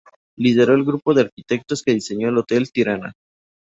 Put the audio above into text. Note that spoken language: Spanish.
Lideró el grupo de arquitectos que diseñó el Hotel Tirana.